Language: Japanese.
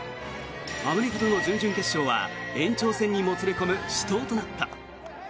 アメリカとの準々決勝は延長戦にもつれ込む死闘となった。